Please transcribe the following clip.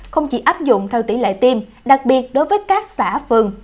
không chỉ áp dụng theo tỷ lệ tiêm đặc biệt đối với các xã phường